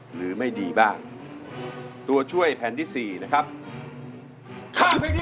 เหลืออีก๔แผ่นป้ายที่จะใช้ได้